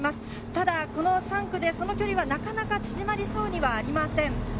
ただこの３区でその距離はなかなか縮まりそうにはありません。